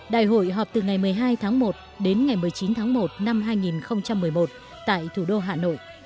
đại hội họp từ ngày một mươi hai tháng một đến ngày một mươi chín tháng một năm hai nghìn một mươi một tại thủ đô hà nội